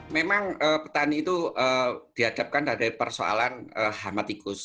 memang petani itu dihadapkan dari persoalan hama tikus